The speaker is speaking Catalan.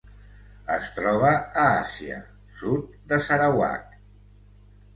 Es troba a Àsia: sud de Sarawak.